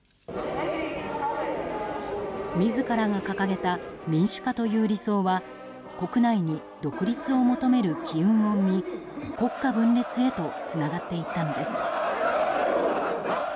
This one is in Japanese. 自らが掲げた民主化という理想は国内に独立を求める機運を生み国家分裂へとつながっていったのです。